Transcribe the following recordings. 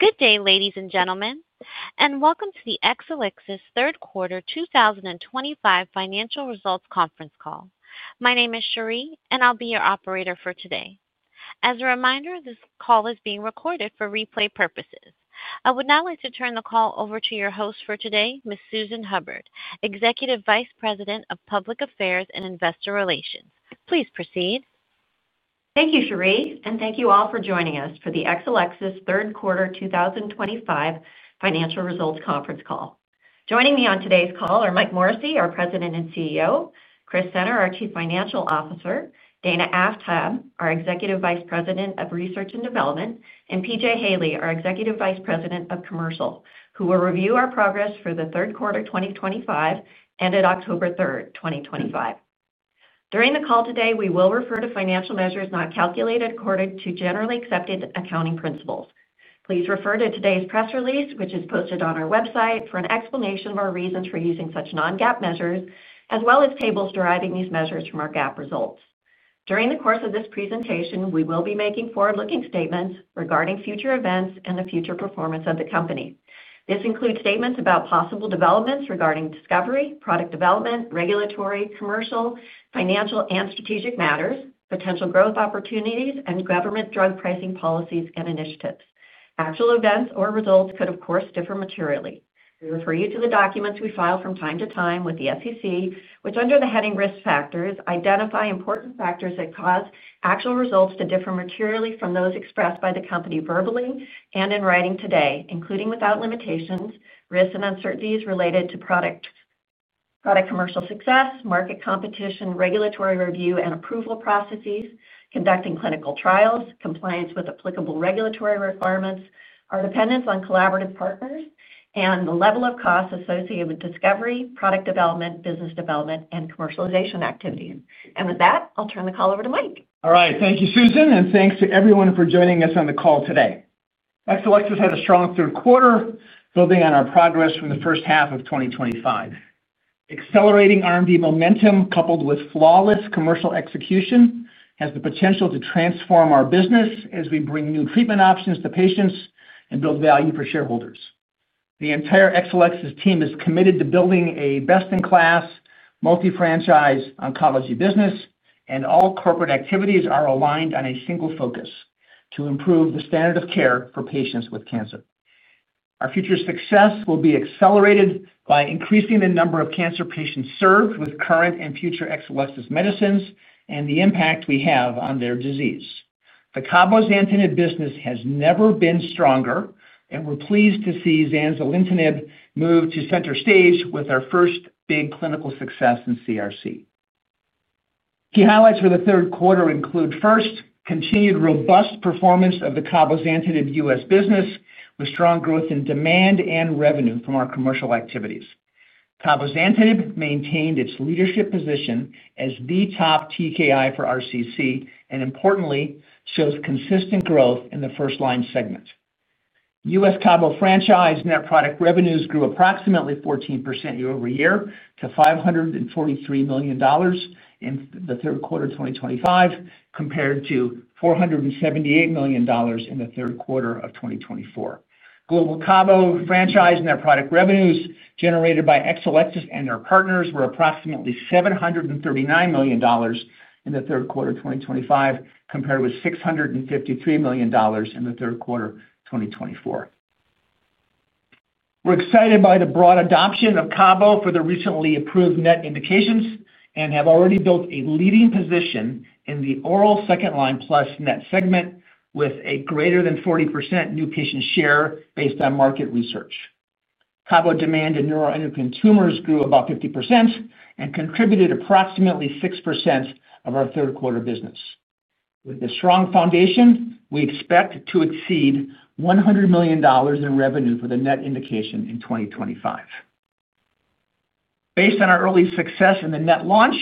Good day, ladies and gentlemen, and welcome to the Exelixis third quarter 2025 financial results conference call. My name is Cheri, and I'll be your operator for today. As a reminder, this call is being recorded for replay purposes. I would now like to turn the call over to your host for today, Ms. Susan Hubbard, Executive Vice President of Public Affairs and Investor Relations. Please proceed. Thank you, Cheri, and thank you all for joining us for the Exelixis third quarter 2025 financial results conference call. Joining me on today's call are Mike Morrissey, our President and CEO, Chris Senner, our Chief Financial Officer, Dana Aftab, our Executive Vice President of Research and Development, and PJ Haley, our Executive Vice President of Commercial, who will review our progress for the third quarter 2025 and at October 3rd, 2025. During the call today, we will refer to financial measures not calculated according to generally accepted accounting principles. Please refer to today's press release, which is posted on our website, for an explanation of our reasons for using such non-GAAP measures, as well as tables deriving these measures from our GAAP results. During the course of this presentation, we will be making forward-looking statements regarding future events and the future performance of the company. This includes statements about possible developments regarding discovery, product development, regulatory, commercial, financial, and strategic matters, potential growth opportunities, and government drug pricing policies and initiatives. Actual events or results could, of course, differ materially. We refer you to the documents we file from time to time with the SEC, which, under the heading Risk Factors, identify important factors that cause actual results to differ materially from those expressed by the company verbally and in writing today, including without limitations, risks and uncertainties related to product commercial success, market competition, regulatory review and approval processes, conducting clinical trials, compliance with applicable regulatory requirements, our dependence on collaborative partners, and the level of costs associated with discovery, product development, business development, and commercialization activities. And with that, I'll turn the call over to Mike. All right. Thank you, Susan, and thanks to everyone for joining us on the call today. Exelixis had a strong third quarter, building on our progress from the first half of 2025. Accelerating R&D momentum, coupled with flawless commercial execution, has the potential to transform our business as we bring new treatment options to patients and build value for shareholders. The entire Exelixis team is committed to building a best-in-class, multi-franchise oncology business, and all corporate activities are aligned on a single focus: to improve the standard of care for patients with cancer. Our future success will be accelerated by increasing the number of cancer patients served with current and future Exelixis medicines and the impact we have on their disease. The Cabozantinib business has never been stronger, and we're pleased to see Zanzalintinib move to center stage with our first big clinical success in CRC. Key highlights for the third quarter include, first, continued robust performance of the Cabozantinib U.S. business with strong growth in demand and revenue from our commercial activities. Cabozantinib maintained its leadership position as the top TKI for RCC and, importantly, shows consistent growth in the first-line segment. U.S. Cabo franchise net product revenues grew approximately 14% year-over-year to $543 million in the third quarter of 2025, compared to $478 million in the third quarter of 2024. Global Cabo franchise net product revenues generated by Exelixis and their partners were approximately $739 million in the third quarter of 2025, compared with $653 million in the third quarter of 2024. We're excited by the broad adoption of Cabo for the recently approved net indications and have already built a leading position in the oral second-line plus net segment with a greater than 40% new patient share based on market research. Cabo demand in neuroendocrine tumors grew about 50% and contributed approximately 6% of our third-quarter business. With this strong foundation, we expect to exceed $100 million in revenue for the net indication in 2025. Based on our early success in the net launch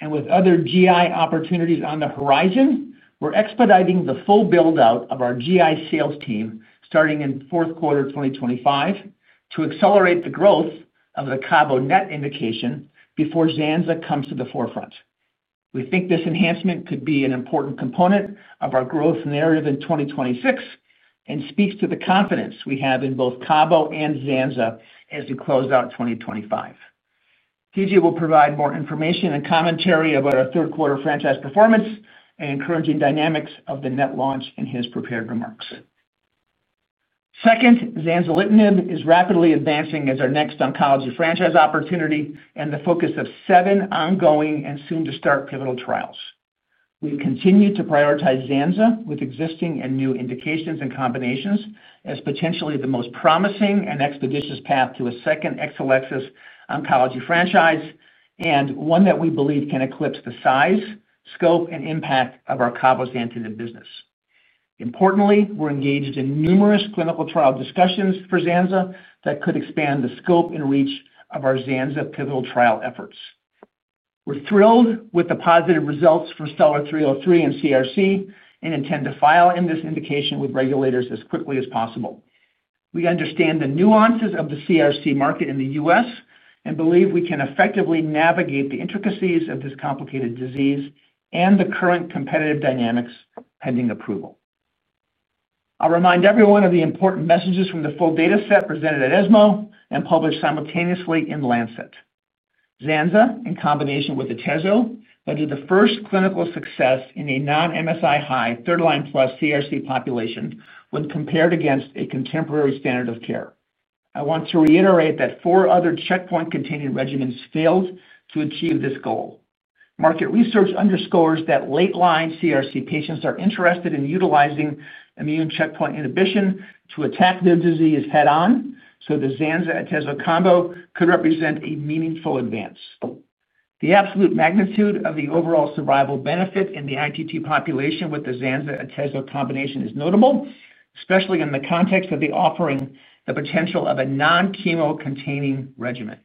and with other GI opportunities on the horizon, we're expediting the full build-out of our GI sales team starting in fourth quarter 2025 to accelerate the growth of the Cabo net indication before Zanza comes to the forefront. We think this enhancement could be an important component of our growth narrative in 2026 and speaks to the confidence we have in both Cabo and Zanza as we close out 2025. PJ will provide more information and commentary about our third-quarter franchise performance and encouraging dynamics of the net launch in his prepared remarks. Second, Zanzalintinib is rapidly advancing as our next oncology franchise opportunity and the focus of seven ongoing and soon-to-start pivotal trials. We continue to prioritize Zanza with existing and new indications and combinations as potentially the most promising and expeditious path to a second Exelixis oncology franchise and one that we believe can eclipse the size, scope, and impact of our Cabozantinib business. Importantly, we're engaged in numerous clinical trial discussions for Zanza that could expand the scope and reach of our Zanza pivotal trial efforts. We're thrilled with the positive results from STELLAR-303 and CRC and intend to file in this indication with regulators as quickly as possible. We understand the nuances of the CRC market in the U.S. and believe we can effectively navigate the intricacies of this complicated disease and the current competitive dynamics pending approval. I'll remind everyone of the important messages from the full data set presented at ESMO and published simultaneously in Lancet. Zanza, in combination with Atezo, had the first clinical success in a non-MSI-H third-line plus CRC population when compared against a contemporary standard of care. I want to reiterate that four other checkpoint-containing regimens failed to achieve this goal. Market research underscores that late-line CRC patients are interested in utilizing immune checkpoint inhibition to attack their disease head-on, so the Zanza/Atezo combo could represent a meaningful advance. The absolute magnitude of the overall survival benefit in the ITT population with the Zanza/Atezo combination is notable, especially in the context of the offering the potential of a non-chemo-containing regimen.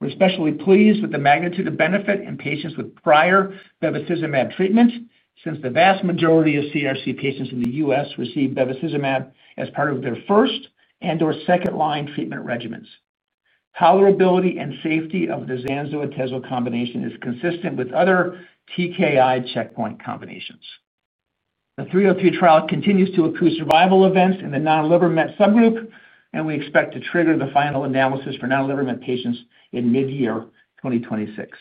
We're especially pleased with the magnitude of benefit in patients with prior bevacizumab treatment since the vast majority of CRC patients in the U.S. received bevacizumab as part of their first and/or second-line treatment regimens. Tolerability and safety of the Zanza/Atezo combination is consistent with other TKI checkpoint combinations. The 303 trial continues to accrue survival events in the non-liver met subgroup, and we expect to trigger the final analysis for non-liver met patients in mid-year 2026.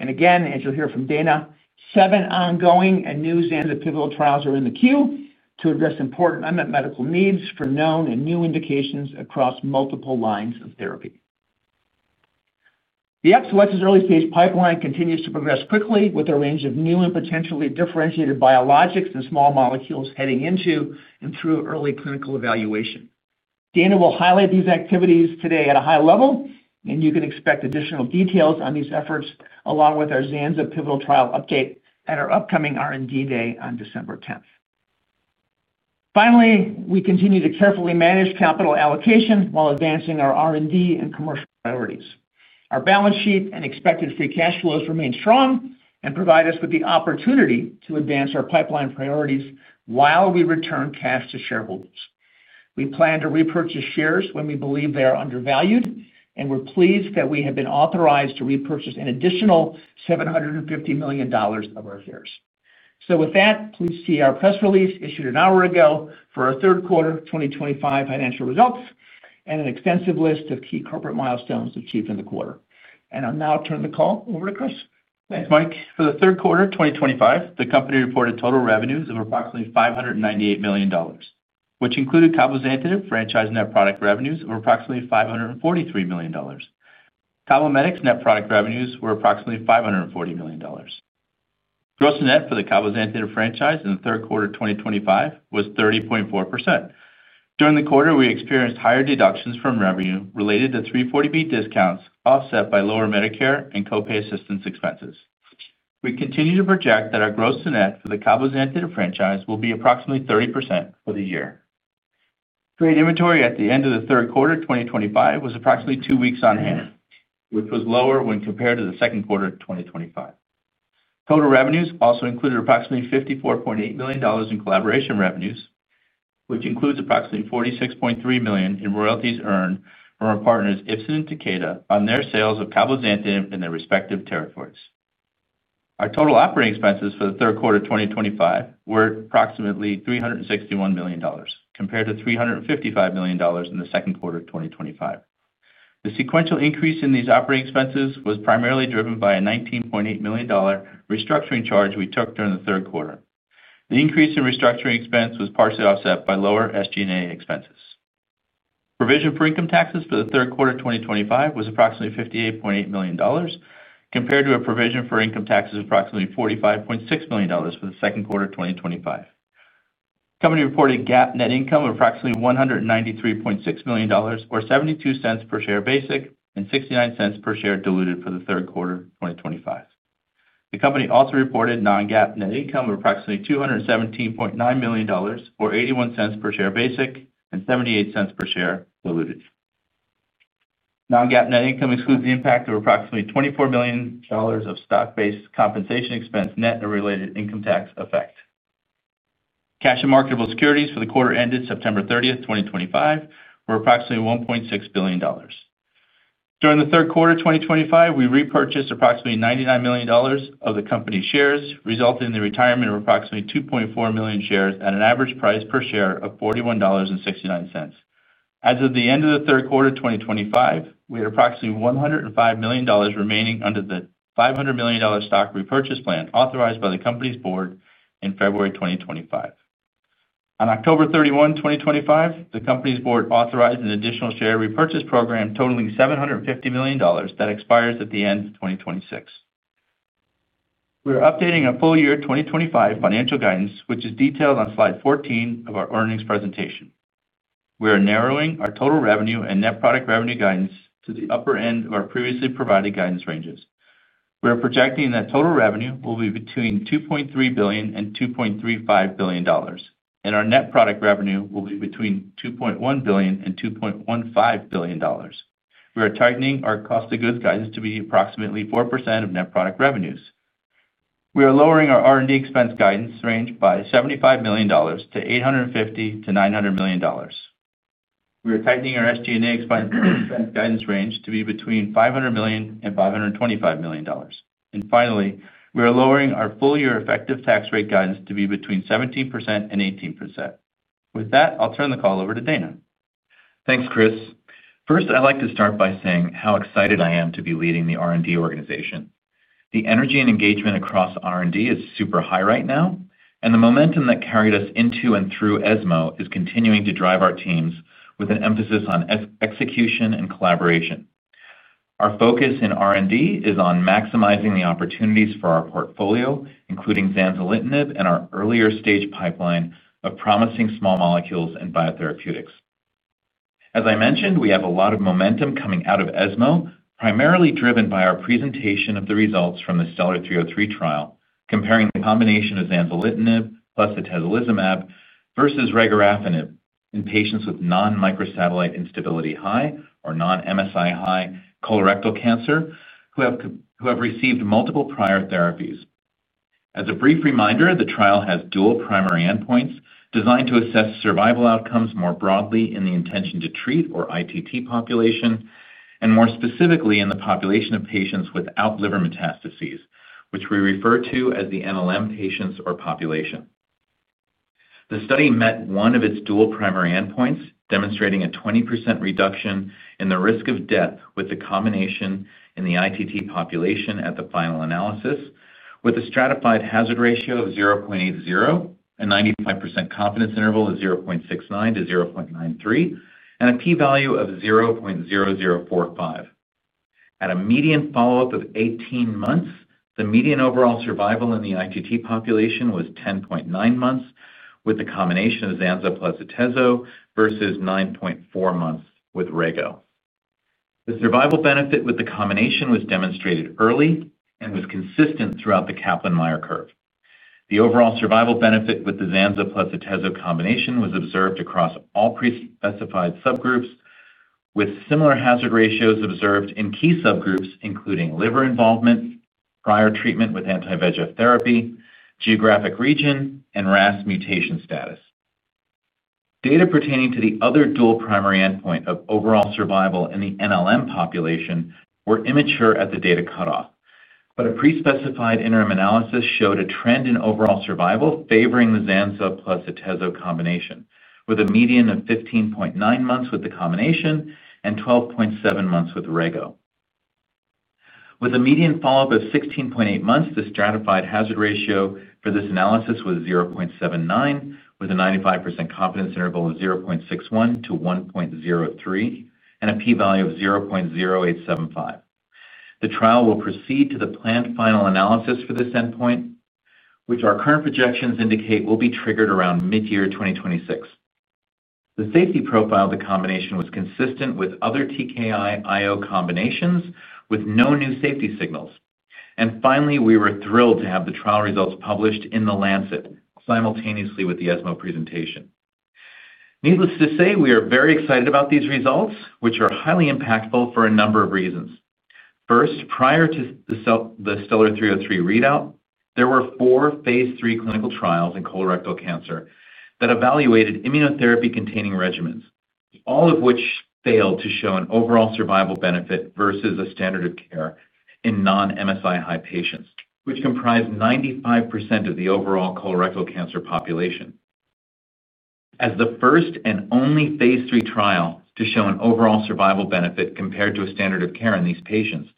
And again, as you'll hear from Dana, seven ongoing and new Zanza pivotal trials are in the queue to address important unmet medical needs for known and new indications across multiple lines of therapy. The Exelixis early-stage pipeline continues to progress quickly with a range of new and potentially differentiated biologics and small molecules heading into and through early clinical evaluation. Dana will highlight these activities today at a high level, and you can expect additional details on these efforts along with our Zanza pivotal trial update at our upcoming R&D day on December 10th. Finally, we continue to carefully manage capital allocation while advancing our R&D and commercial priorities. Our balance sheet and expected free cash flows remain strong and provide us with the opportunity to advance our pipeline priorities while we return cash to shareholders. We plan to repurchase shares when we believe they are undervalued, and we're pleased that we have been authorized to repurchase an additional $750 million of our shares. So with that, please see our press release issued an hour ago for our third quarter 2025 financial results and an extensive list of key corporate milestones achieved in the quarter. And I'll now turn the call over to Chris. Thanks, Mike. For the third quarter 2025, the company reported total revenues of approximately $598 million, which included Cabozantinib franchise net product revenues of approximately $543 million. Cabometyx net product revenues were approximately $540 million. Gross-to-net for the Cabozantinib franchise in the third quarter 2025 was 30.4%. During the quarter, we experienced higher deductions from revenue related to 340B discounts offset by lower Medicare and copay assistance expenses. We continue to project that our gross-to-net for the Cabozantinib franchise will be approximately 30% for the year. Trade inventory at the end of the third quarter 2025 was approximately two weeks on hand, which was lower when compared to the second quarter of 2025. Total revenues also included approximately $54.8 million in collaboration revenues, which includes approximately $46.3 million in royalties earned from our partners Ipsen and Takeda on their sales of Cabozantinib in their respective territories. Our total operating expenses for the third quarter 2025 were approximately $361 million, compared to $355 million in the second quarter of 2025. The sequential increase in these operating expenses was primarily driven by a $19.8 million restructuring charge we took during the third quarter. The increase in restructuring expense was partially offset by lower SG&A expenses. Provision for income taxes for the third quarter 2025 was approximately $58.8 million, compared to a provision for income taxes of approximately $45.6 million for the second quarter 2025. The company reported GAAP net income of approximately $193.6 million, or $0.72 per share basic, and $0.69 per share diluted for the third quarter 2025. The company also reported non-GAAP net income of approximately $217.9 million, or $0.81 per share basic, and $0.78 per share diluted. Non-GAAP net income excludes the impact of approximately $24 million of stock-based compensation expense net and related income tax effect. Cash and marketable securities for the quarter ended September 30th, 2025, were approximately $1.6 billion. During the third quarter 2025, we repurchased approximately $99 million of the company's shares, resulting in the retirement of approximately 2.4 million shares at an average price per share of $41.69. As of the end of the third quarter 2025, we had approximately $105 million remaining under the $500 million stock repurchase plan authorized by the company's board in February 2025. On October 31, 2025, the company's board authorized an additional share repurchase program totaling $750 million that expires at the end of 2026. We are updating our full year 2025 financial guidance, which is detailed on slide 14 of our earnings presentation. We are narrowing our total revenue and net product revenue guidance to the upper end of our previously provided guidance ranges. We are projecting that total revenue will be between $2.3 billion and $2.35 billion, and our net product revenue will be between $2.1 billion and $2.15 billion. We are tightening our cost of goods guidance to be approximately 4% of net product revenues. We are lowering our R&D expense guidance range by $75 million to $850-$900 million. We are tightening our SG&A expense guidance range to be between $500 million and $525 million. And finally, we are lowering our full-year effective tax rate guidance to be between 17% and 18%. With that, I'll turn the call over to Dana. Thanks, Chris. First, I'd like to start by saying how excited I am to be leading the R&D organization. The energy and engagement across R&D is super high right now, and the momentum that carried us into and through ESMO is continuing to drive our teams with an emphasis on execution and collaboration. Our focus in R&D is on maximizing the opportunities for our portfolio, including Zanzalintinib and our earlier stage pipeline of promising small molecules and biotherapeutics. As I mentioned, we have a lot of momentum coming out of ESMO, primarily driven by our presentation of the results from the STELLAR-303 trial, comparing the combination of Zanzalintinib plus Atezolizumab versus Regorafenib in patients with non-microsatellite instability-high or non-MSI-H colorectal cancer who have received multiple prior therapies. As a brief reminder, the trial has dual primary endpoints designed to assess survival outcomes more broadly in the intention-to-treat or ITT population, and more specifically in the population of patients without liver metastases, which we refer to as the NLM patients or population. The study met one of its dual primary endpoints, demonstrating a 20% reduction in the risk of death with the combination in the ITT population at the final analysis, with a stratified hazard ratio of 0.80, a 95% confidence interval of 0.69 to 0.93, and a p-value of 0.0045. At a median follow-up of 18 months, the median overall survival in the ITT population was 10.9 months with the combination of Zanza plus Atezo versus 9.4 months with Rego. The survival benefit with the combination was demonstrated early and was consistent throughout the Kaplan-Meier curve. The overall survival benefit with the Zanza plus Atezo combination was observed across all prespecified subgroups, with similar hazard ratios observed in key subgroups including liver involvement, prior treatment with anti-VEGF therapy, geographic region, and RAS mutation status. Data pertaining to the other dual primary endpoint of overall survival in the NLM population were immature at the data cutoff, but a prespecified interim analysis showed a trend in overall survival favoring the Zanza plus Atezo combination, with a median of 15.9 months with the combination and 12.7 months with Rego. With a median follow-up of 16.8 months, the stratified hazard ratio for this analysis was 0.79, with a 95% confidence interval of 0.61 to 1.03, and a p-value of 0.0875. The trial will proceed to the planned final analysis for this endpoint, which our current projections indicate will be triggered around mid-year 2026. The safety profile of the combination was consistent with other TKI IO combinations, with no new safety signals. And finally, we were thrilled to have the trial results published in the Lancet simultaneously with the ESMO presentation. Needless to say, we are very excited about these results, which are highly impactful for a number of reasons. First, prior to the STELLAR-303 readout, there were four phase III clinical trials in colorectal cancer that evaluated immunotherapy-containing regimens, all of which failed to show an overall survival benefit versus a standard of care in non-MSI-H patients, which comprised 95% of the overall colorectal cancer population. As the first and only phase III trial to show an overall survival benefit compared to a standard of care in these patients,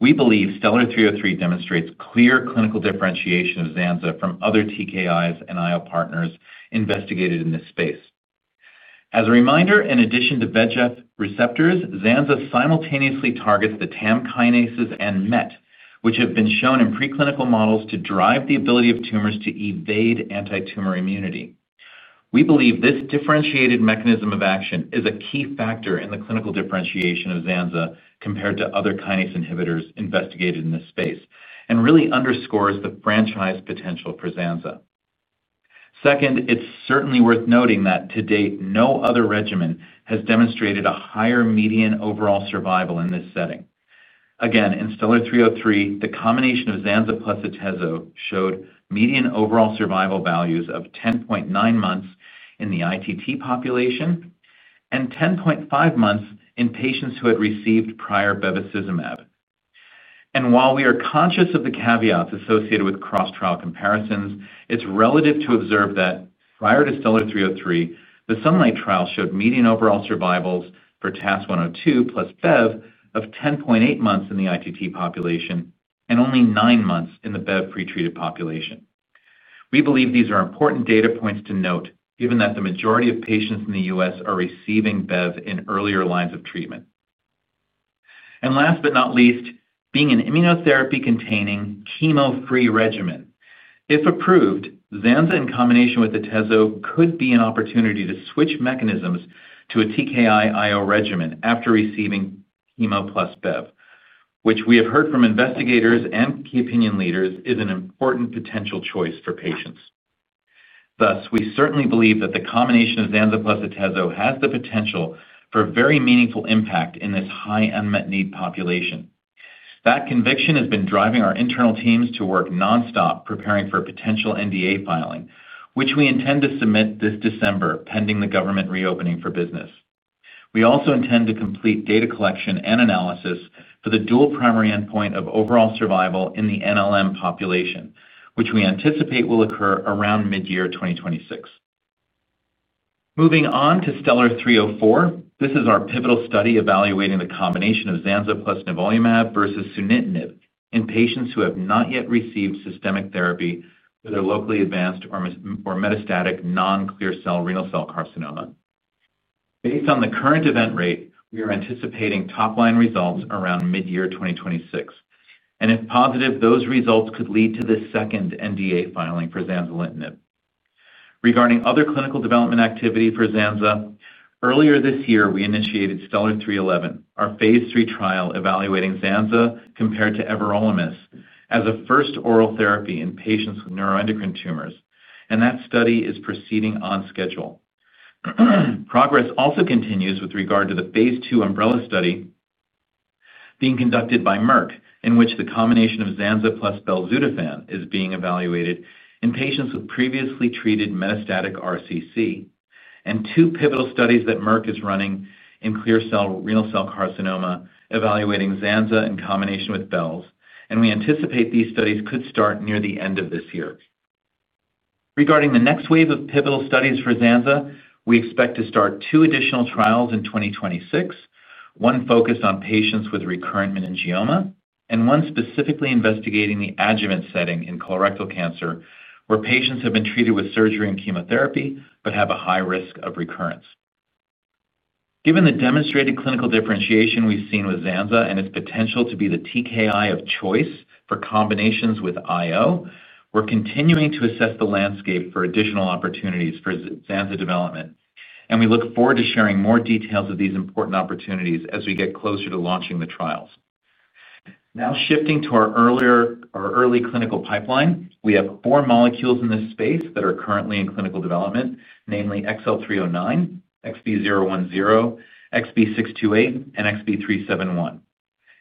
we believe STELLAR-303 demonstrates clear clinical differentiation of Zanza from other TKIs and IO partners investigated in this space. As a reminder, in addition to VEGF receptors, Zanza simultaneously targets the TAM kinases and MET, which have been shown in preclinical models to drive the ability of tumors to evade anti-tumor immunity. We believe this differentiated mechanism of action is a key factor in the clinical differentiation of Zanza compared to other kinase inhibitors investigated in this space and really underscores the franchise potential for Zanza. Second, it's certainly worth noting that to date, no other regimen has demonstrated a higher median overall survival in this setting. Again, in STELLAR-303, the combination of Zanza plus Atezo showed median overall survival values of 10.9 months in the ITT population and 10.5 months in patients who had received prior bevacizumab. And while we are conscious of the caveats associated with cross-trial comparisons, it's relevant to observe that prior to STELLAR-303, the SUNLIGHT trial showed median overall survivals for TAS-102 plus Bev of 10.8 months in the ITT population and only nine months in the Bev pretreated population. We believe these are important data points to note, given that the majority of patients in the U.S. are receiving Bev in earlier lines of treatment. And last but not least, being an immunotherapy-containing chemo-free regimen, if approved, Zanza in combination with Atezo could be an opportunity to switch mechanisms to a TKI IO regimen after receiving chemo plus Bev, which we have heard from investigators and key opinion leaders is an important potential choice for patients. Thus, we certainly believe that the combination of Zanza plus Atezo has the potential for very meaningful impact in this high unmet need population. That conviction has been driving our internal teams to work nonstop preparing for potential NDA filing, which we intend to submit this December pending the government reopening for business. We also intend to complete data collection and analysis for the dual primary endpoint of overall survival in the NLM population, which we anticipate will occur around mid-year 2026. Moving on to STELLAR-304, this is our pivotal study evaluating the combination of Zanza plus Nivolumab versus Sunitinib in patients who have not yet received systemic therapy for their locally advanced or metastatic non-clear cell renal cell carcinoma. Based on the current event rate, we are anticipating top-line results around mid-year 2026. And if positive, those results could lead to the second NDA filing for Zanzalintinib. Regarding other clinical development activity for Zanza, earlier this year, we initiated STELLAR-311, our phase III trial evaluating Zanza compared to Everolimus as a first oral therapy in patients with neuroendocrine tumors, and that study is proceeding on schedule. Progress also continues with regard to the phase II Umbrella study being conducted by Merck, in which the combination of Zanza plus Belzutifan is being evaluated in patients with previously treated metastatic RCC, and two pivotal studies that Merck is running in clear cell renal cell carcinoma evaluating Zanza in combination with Belz and we anticipate these studies could start near the end of this year. Regarding the next wave of pivotal studies for Zanza, we expect to start two additional trials in 2026, one focused on patients with recurrent meningioma and one specifically investigating the adjuvant setting in colorectal cancer, where patients have been treated with surgery and chemotherapy but have a high risk of recurrence. Given the demonstrated clinical differentiation we've seen with Zanza and its potential to be the TKI of choice for combinations with IO, we're continuing to assess the landscape for additional opportunities for Zanza development, and we look forward to sharing more details of these important opportunities as we get closer to launching the trials. Now shifting to our earlier or early clinical pipeline, we have four molecules in this space that are currently in clinical development, namely XL309, XB010, XB628, and XB371.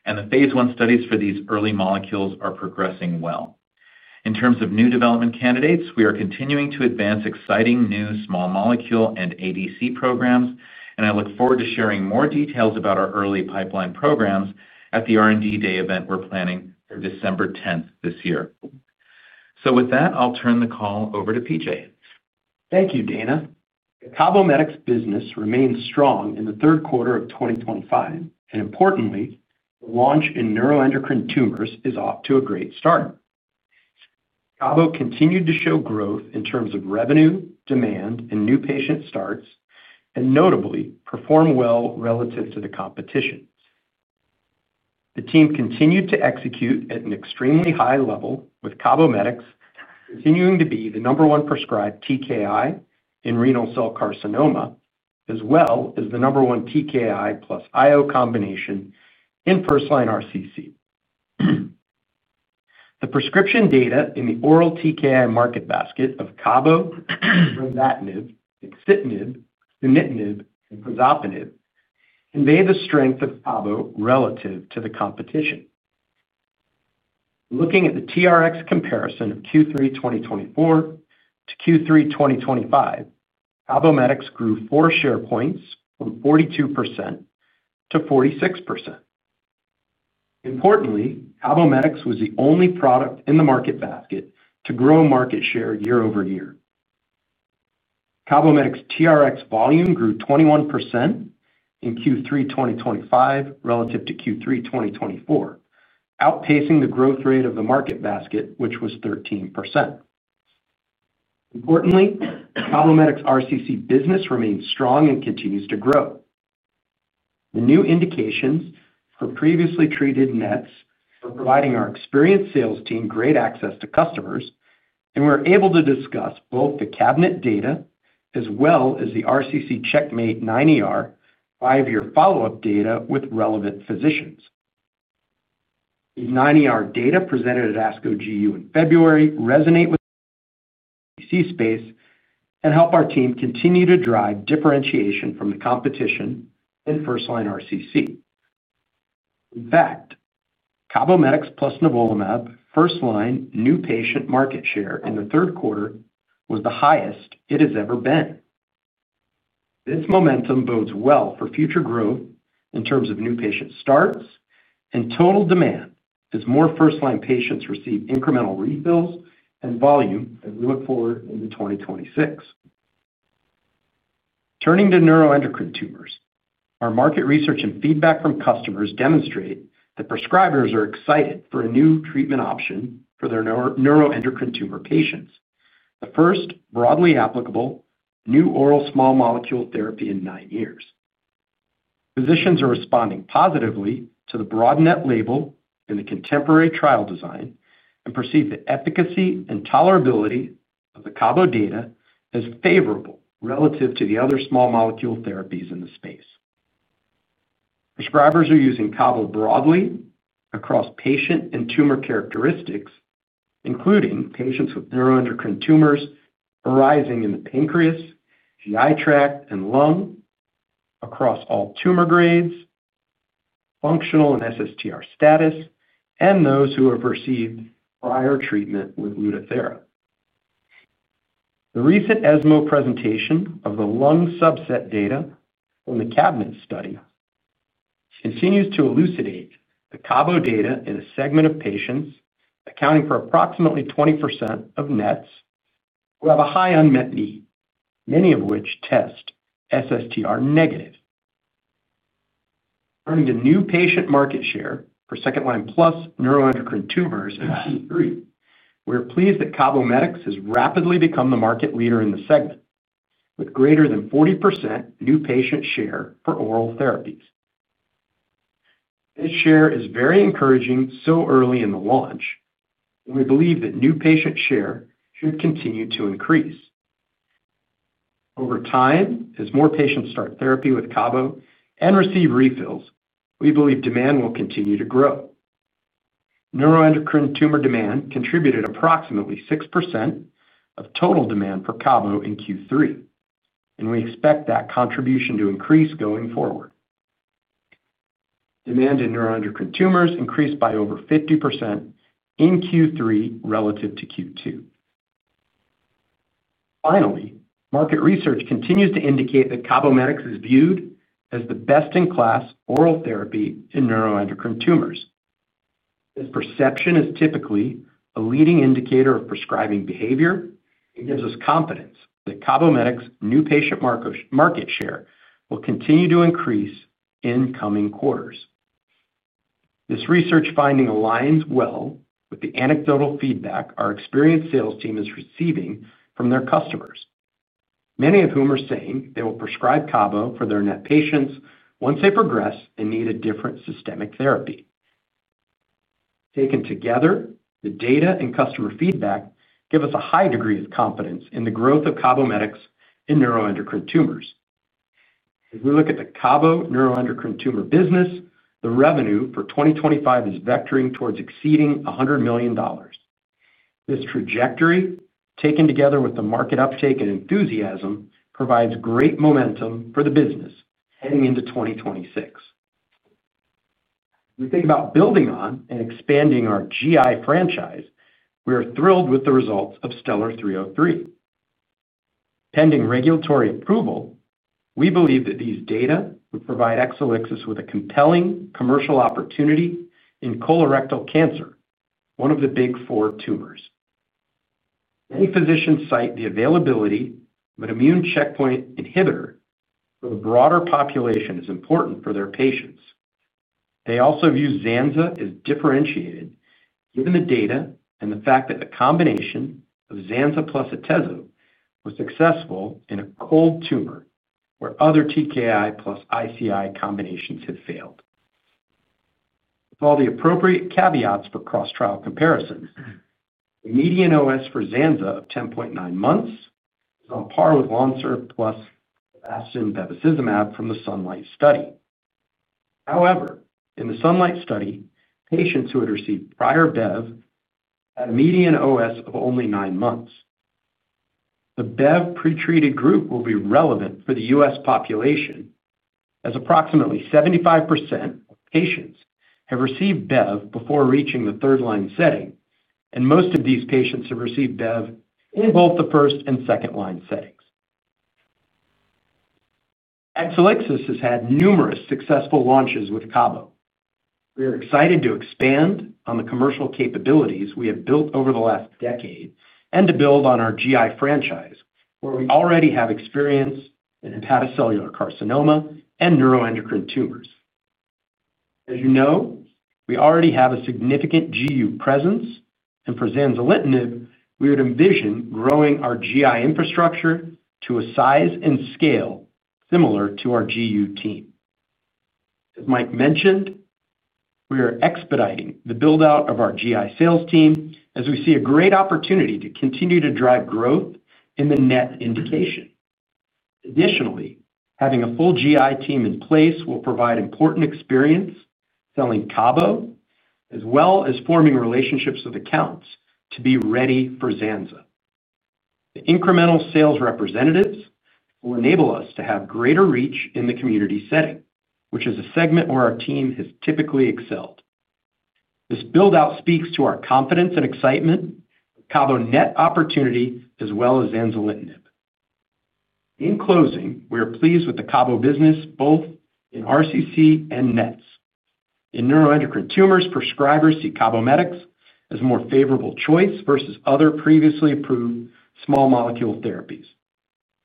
The phase I studies for these early molecules are progressing well. In terms of new development candidates, we are continuing to advance exciting new small molecule and ADC programs, and I look forward to sharing more details about our early pipeline programs at the R&D day event we're planning for December 10th this year. With that, I'll turn the call over to PJ. Thank you, Dana. The Cabometyx business remains strong in the third quarter of 2025, and importantly, the launch in neuroendocrine tumors is off to a great start. Cabo continued to show growth in terms of revenue, demand, and new patient starts, and notably performed well relative to the competition. The team continued to execute at an extremely high level, with Cabometyx continuing to be the number one prescribed TKI in renal cell carcinoma, as well as the number one TKI plus IO combination in first-line RCC. The prescription data in the oral TKI market basket of Cabo and Axitinib, Sunitinib, and Pazopanib convey the strength of Cabo relative to the competition. Looking at the TRX comparison of Q3 2024 to Q3 2025, Cabometyx grew four share points from 42%-46%. Importantly, Cabometyx was the only product in the market basket to grow market share year-over-year. Cabometyx's TRX volume grew 21%. In Q3 2025 relative to Q3 2024, outpacing the growth rate of the market basket, which was 13%. Importantly, Cabometyx's RCC business remains strong and continues to grow. The new indications for previously treated NETs are providing our experienced sales team great access to customers, and we're able to discuss both the CABINET data as well as the RCC CheckMate 9ER five-year follow-up data with relevant physicians. The 9ER data presented at ASCO GU in February resonate with the RCC space and help our team continue to drive differentiation from the competition in first-line RCC. In fact, Cabometyx plus Nivolumab first-line new patient market share in the third quarter was the highest it has ever been. This momentum bodes well for future growth in terms of new patient starts and total demand as more first-line patients receive incremental refills and volume as we look forward into 2026. Turning to neuroendocrine tumors, our market research and feedback from customers demonstrate that prescribers are excited for a new treatment option for their neuroendocrine tumor patients, the first broadly applicable new oral small molecule therapy in nine years. Physicians are responding positively to the broad NET label in the contemporary trial design and perceive the efficacy and tolerability of the Cabo data as favorable relative to the other small molecule therapies in the space. Prescribers are using Cabo broadly across patient and tumor characteristics, including patients with neuroendocrine tumors arising in the pancreas, GI tract, and lung, across all tumor grades, functional and SSTR status, and those who have received prior treatment with Lutathera. The recent ESMO presentation of the lung subset data from the CABINET study continues to elucidate the Cabo data in a segment of patients accounting for approximately 20% of NETs who have a high unmet need, many of which test SSTR negative. Turning to new patient market share for second-line plus neuroendocrine tumors in Q3, we're pleased that Cabometyx has rapidly become the market leader in the segment, with greater than 40% new patient share for oral therapies. This share is very encouraging so early in the launch, and we believe that new patient share should continue to increase. Over time, as more patients start therapy with Cabo and receive refills, we believe demand will continue to grow. Neuroendocrine tumor demand contributed approximately 6% of total demand for Cabo in Q3, and we expect that contribution to increase going forward. Demand in neuroendocrine tumors increased by over 50% in Q3 relative to Q2. Finally, market research continues to indicate that Cabometyx is viewed as the best-in-class oral therapy in neuroendocrine tumors. This perception is typically a leading indicator of prescribing behavior and gives us confidence that Cabometyx's new patient market share will continue to increase in coming quarters. This research finding aligns well with the anecdotal feedback our experienced sales team is receiving from their customers, many of whom are saying they will prescribe Cabo for their NET patients once they progress and need a different systemic therapy. Taken together, the data and customer feedback give us a high degree of confidence in the growth of Cabometyx in neuroendocrine tumors. As we look at the Cabo neuroendocrine tumor business, the revenue for 2025 is vectoring towards exceeding $100 million. This trajectory, taken together with the market uptake and enthusiasm, provides great momentum for the business heading into 2026. We think about building on and expanding our GI franchise. We are thrilled with the results of STELLAR-303. Pending regulatory approval, we believe that these data would provide Exelixis with a compelling commercial opportunity in colorectal cancer, one of the big four tumors. Many physicians cite the availability of an immune checkpoint inhibitor for the broader population as important for their patients. They also view Zanza as differentiated given the data and the fact that the combination of Zanza plus Atezo was successful in a cold tumor where other TKI plus ICI combinations had failed, with all the appropriate caveats for cross-trial comparison. The median OS for Zanza of 10.9 months is on par with Lonsurf plus Avastin bevacizumab from the SUNLIGHT study. However, in the SUNLIGHT study, patients who had received prior Bev had a median OS of only nine months. The Bev pretreated group will be relevant for the U.S. population, as approximately 75% of patients have received Bev before reaching the third-line setting, and most of these patients have received Bev in both the first- and second-line settings. Exelixis has had numerous successful launches with Cabo. We are excited to expand on the commercial capabilities we have built over the last decade and to build on our GI franchise, where we already have experience in hepatocellular carcinoma and neuroendocrine tumors. As you know, we already have a significant GU presence, and for Zanzalintinib, we would envision growing our GI infrastructure to a size and scale similar to our GU team. As Mike mentioned, we are expediting the build-out of our GI sales team as we see a great opportunity to continue to drive growth in the NET indication. Additionally, having a full GI team in place will provide important experience selling Cabo, as well as forming relationships with accounts to be ready for Zanza. The incremental sales representatives will enable us to have greater reach in the community setting, which is a segment where our team has typically excelled. This build-out speaks to our confidence and excitement with Cabo NET opportunity as well as Zanzalintinib. In closing, we are pleased with the Cabo business both in RCC and NETs. In neuroendocrine tumors, prescribers see Cabometyx as a more favorable choice versus other previously approved small molecule therapies.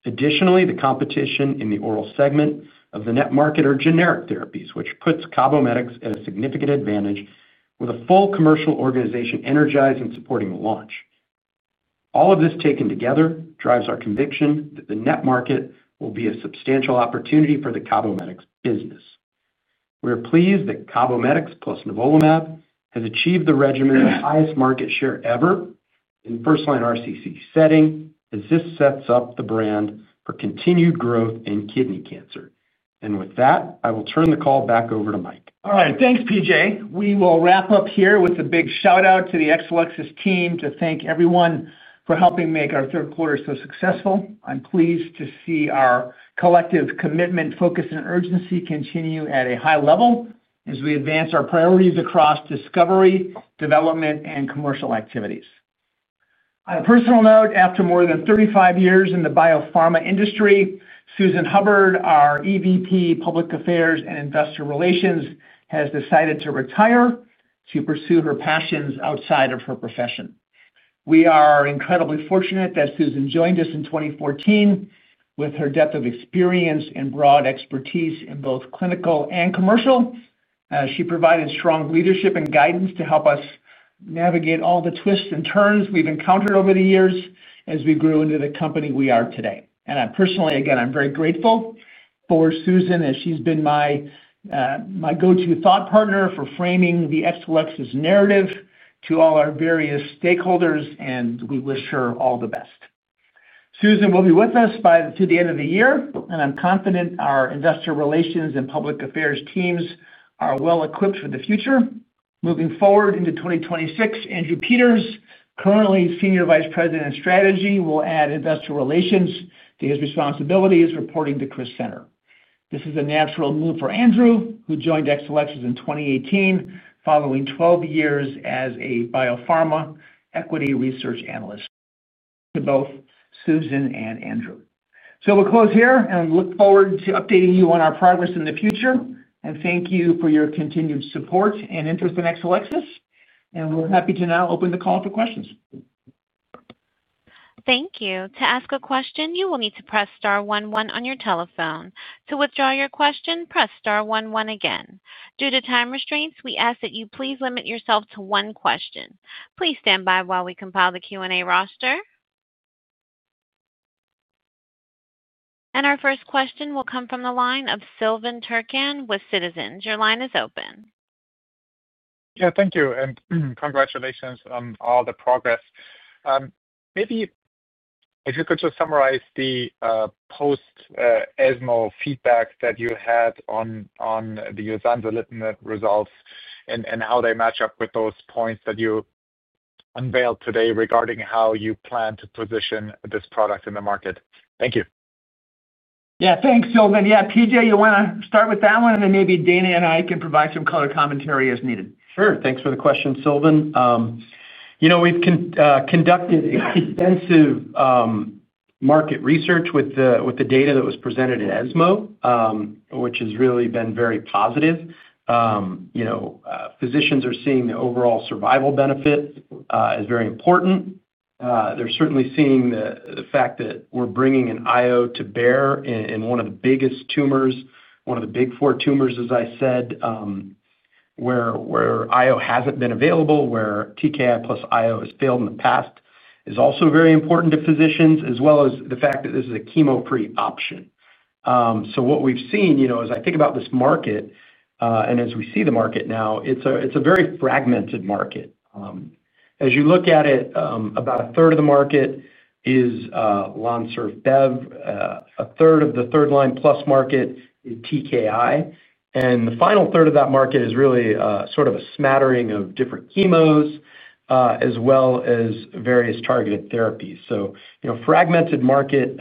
Additionally, the competition in the oral segment of the NET market are generic therapies, which puts Cabometyx at a significant advantage with a full commercial organization energizing supporting the launch. All of this taken together drives our conviction that the NET market will be a substantial opportunity for the Cabometyx business. We are pleased that Cabometyx plus Nivolumab has achieved the regimen of highest market share ever in first-line RCC setting, as this sets up the brand for continued growth in kidney cancer. And with that, I will turn the call back over to Mike. All right. Thanks, PJ. We will wrap up here with a big shout-out to the Exelixis team to thank everyone for helping make our third quarter so successful. I'm pleased to see our collective commitment, focus, and urgency continue at a high level as we advance our priorities across discovery, development, and commercial activities. On a personal note, after more than 35 years in the biopharma industry, Susan Hubbard, our EVP, Public Affairs and Investor Relations, has decided to retire to pursue her passions outside of her profession. We are incredibly fortunate that Susan joined us in 2014 with her depth of experience and broad expertise in both clinical and commercial. She provided strong leadership and guidance to help us navigate all the twists and turns we've encountered over the years as we grew into the company we are today. And I personally, again, I'm very grateful for Susan as she's been my go-to thought partner for framing the Exelixis narrative to all our various stakeholders, and we wish her all the best. Susan will be with us to the end of the year, and I'm confident our investor relations and public affairs teams are well equipped for the future. Moving forward into 2026, Andrew Peters, currently Senior Vice President of Strategy, will add investor relations to his responsibilities reporting to Chris Senner. This is a natural move for Andrew, who joined Exelixis in 2018 following 12 years as a biopharma equity research analyst. To both Susan and Andrew. So we'll close here and look forward to updating you on our progress in the future. And thank you for your continued support and interest in Exelixis. We're happy to now open the call for questions. Thank you. To ask a question, you will need to press star one one on your telephone. To withdraw your question, press star one one again. Due to time restraints, we ask that you please limit yourself to one question. Please stand by while we compile the Q&A roster. And our first question will come from the line of Silvan Turkin with Citizens. Your line is open. Yeah. Thank you. And congratulations on all the progress. Maybe if you could just summarize the post-ESMO feedback that you had on the Zanzalintinib results and how they match up with those points that you unveiled today regarding how you plan to position this product in the market. Thank you. Yeah. Thanks, Silvan. Yeah. PJ, you want to start with that one, and then maybe Dana and I can provide some color commentary as needed. Sure. Thanks for the question, Silvan. We've conducted extensive market research with the data that was presented at ESMO, which has really been very positive. Physicians are seeing the overall survival benefit as very important. They're certainly seeing the fact that we're bringing an IO to bear in one of the biggest tumors, one of the big four tumors, as I said. Where IO hasn't been available, where TKI plus IO has failed in the past, is also very important to physicians, as well as the fact that this is a chemo-free option. So what we've seen, as I think about this market. And as we see the market now, it's a very fragmented market. As you look at it, about a third of the market is LONSURF Bev, a third of the third-line plus market is TKI, and the final third of that market is really sort of a smattering of different chemos. As well as various targeted therapies. So fragmented market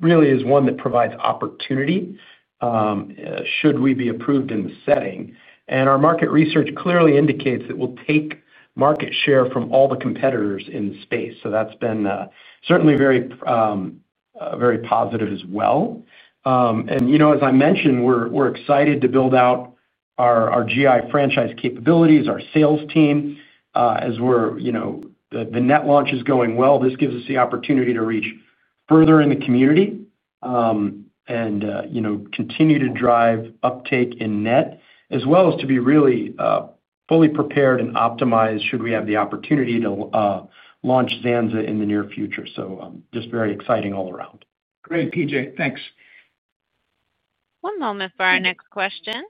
really is one that provides opportunity should we be approved in the setting. And our market research clearly indicates that we'll take market share from all the competitors in the space. So that's been certainly very positive as well. And as I mentioned, we're excited to build out our GI franchise capabilities, our sales team. As the net launch is going well, this gives us the opportunity to reach further in the community. And continue to drive uptake in net, as well as to be really fully prepared and optimized should we have the opportunity to launch Zanza in the near future. So just very exciting all around. Great. PJ, thanks. One moment for our next question.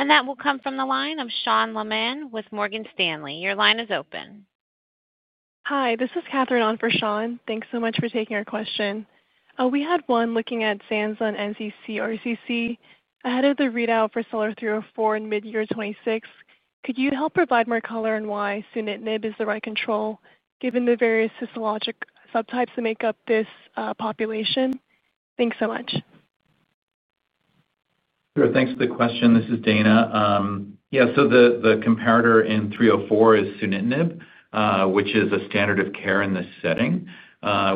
And that will come from the line of Sean Lyman with Morgan Stanley. Your line is open. Hi. This is Katherine on for Sean. Thanks so much for taking our question. We had one looking at Zanza and nccRCC ahead of the readout for STELLAR-304 in mid-year 2026. Could you help provide more color on why sunitinib is the right control, given the various histologic subtypes that make up this population? Thanks so much. Sure. Thanks for the question. This is Dana. Yeah. So the comparator in 304 is Sunitinib, which is a standard of care in this setting.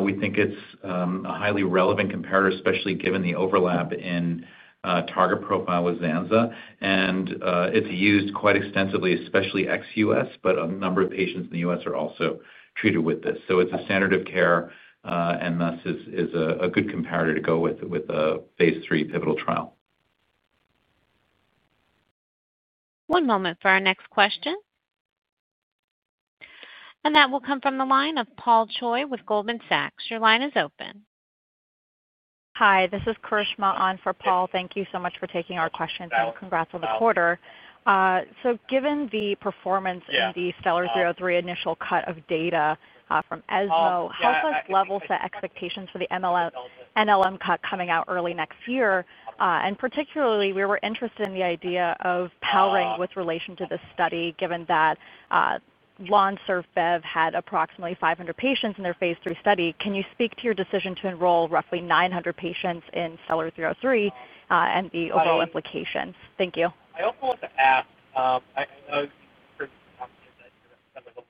We think it's a highly relevant comparator, especially given the overlap in target profile with Zanza. And it's used quite extensively, especially ex-U.S., but a number of patients in the U.S. are also treated with this. So it's a standard of care, and thus is a good comparator to go with with a phase III pivotal trial. One moment for our next question, and that will come from the line of Paul Choi with Goldman Sachs. Your line is open. Hi. This is Karishma on for Paul. Thank you so much for taking our questions. And congrats on the quarter. So given the performance and the STELLAR-303 initial cut of data from ESMO, how does level set expectations for the NLM cut coming out early next year? And particularly, we were interested in the idea of powering with relation to this study, given that. LONSURF Bev had approximately 500 patients in their phase III study. Can you speak to your decision to enroll roughly 900 patients in STELLAR-303 and the overall implications? Thank you.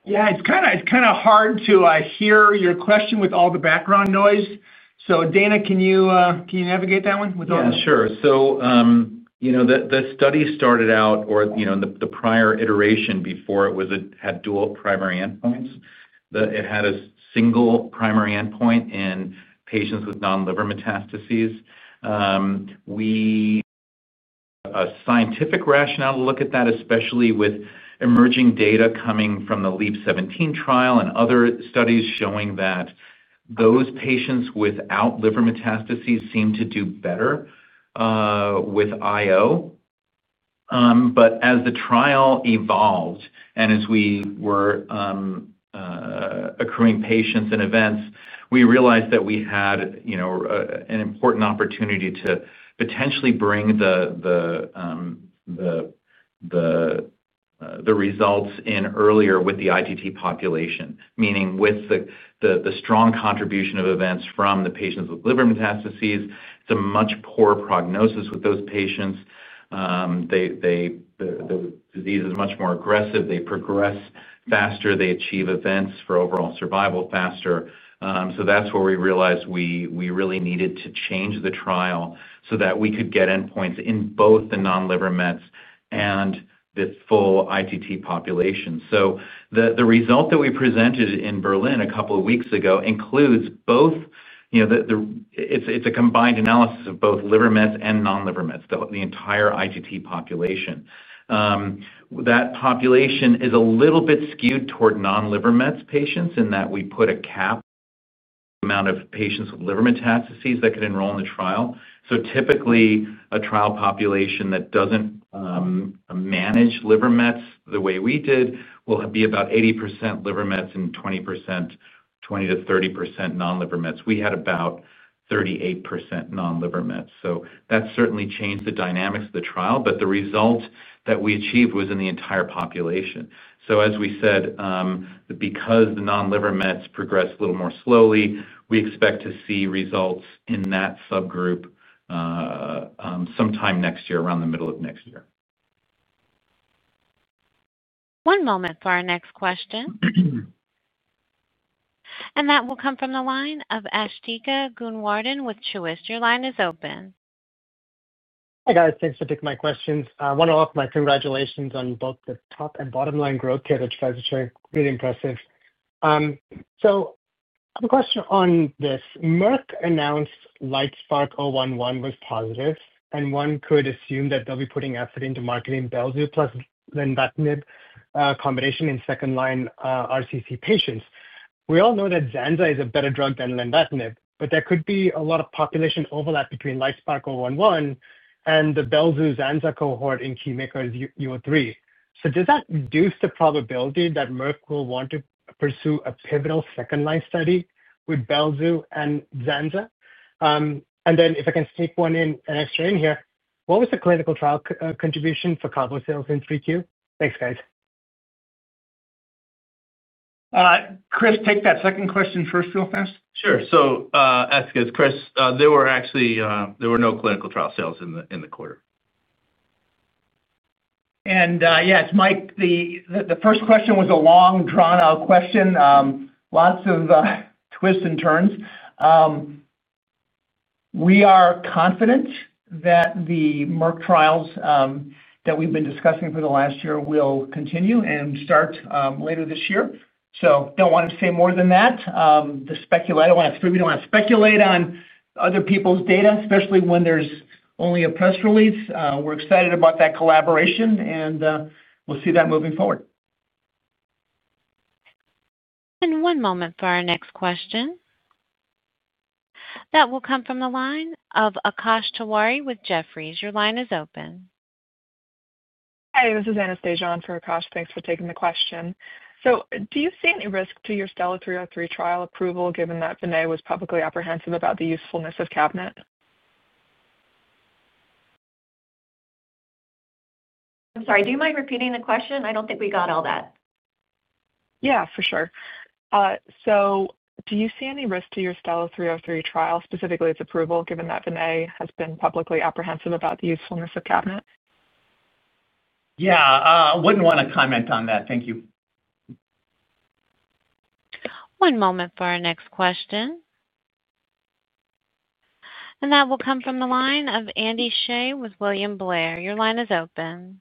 Yeah. It's kind of hard to hear your question with all the background noise. So Dana, can you navigate that one with all of that? Yeah. Sure. So the study started out, or the prior iteration before it had dual primary endpoints. It had a single primary endpoint in patients with non-liver metastases. We had a scientific rationale to look at that, especially with emerging data coming from the LEAP-017 trial and other studies showing that those patients without liver metastases seem to do better with IO. But as the trial evolved and as we were accruing patients and events, we realized that we had an important opportunity to potentially bring the results in earlier with the ITT population, meaning with the strong contribution of events from the patients with liver metastases. It's a much poorer prognosis with those patients. The disease is much more aggressive. They progress faster. They achieve events for overall survival faster. So that's where we realized we really needed to change the trial so that we could get endpoints in both the non-liver meds and the full ITT population. So the result that we presented in Berlin a couple of weeks ago includes both. It's a combined analysis of both liver meds and non-liver meds, the entire ITT population. That population is a little bit skewed toward non-liver meds patients in that we put a cap on the amount of patients with liver metastases that could enroll in the trial. So typically, a trial population that doesn't manage liver meds the way we did will be about 80% liver meds and 20%-30% non-liver meds. We had about 38% non-liver meds. So that certainly changed the dynamics of the trial, but the result that we achieved was in the entire population. So as we said, because the non-liver meds progressed a little more slowly, we expect to see results in that subgroup sometime next year, around the middle of next year. One moment for our next question, and that will come from the line of Asthika Goonewardene with Truist. Your line is open. Hi guys. Thanks for taking my questions. I want to offer my congratulations on both the top and bottom-line growth here, which guys are showing really impressive. So I have a question on this. Merck announced LITESPARK-011 was positive, and one could assume that they'll be putting effort into marketing Belzutifan plus Lenvatinib combination in second-line RCC patients. We all know that Zanza is a better drug than Lenvatinib, but there could be a lot of population overlap between LITESPARK-011 and the Belzutifan Zanza cohort in STELLAR-303. So does that reduce the probability that Merck will want to pursue a pivotal second-line study with Belzutifan and Zanza? And then if I can sneak one in, an extra in here, what was the clinical trial contribution for Cabozantinib Q3? Thanks, guys. Chris, take that second question first real fast. Sure. Ash, this is Chris. There were actually no clinical trial sales in the quarter. And yes, Mike, the first question was a long, drawn-out question. Lots of twists and turns. We are confident that the Merck trials that we've been discussing for the last year will continue and start later this year. So don't want to say more than that. I don't want to speculate on other people's data, especially when there's only a press release. We're excited about that collaboration, and we'll see that moving forward. And one moment for our next question. That will come from the line of Akash Tewari with Jefferies. Your line is open. Hi. This is Anastasia on for Akash. Thanks for taking the question. So do you see any risk to your STELLAR-303 trial approval, given that Vinay was publicly apprehensive about the usefulness of Cabometyx? I'm sorry. Do you mind repeating the question? I don't think we got all that. Yeah. For sure. So do you see any risk to your STELLAR-303 trial, specifically its approval, given that Vinay has been publicly apprehensive about the usefulness of Cabozantinib? Yeah. I wouldn't want to comment on that. Thank you. One moment for our next question. And that will come from the line of Andy Shea with William Blair. Your line is open.